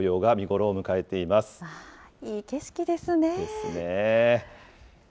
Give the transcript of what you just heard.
いい景色ですね。ですね。